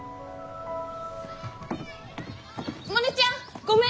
モネちゃんごめん！